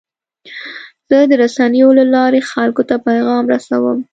زه د رسنیو له لارې خلکو ته پیغام رسوم.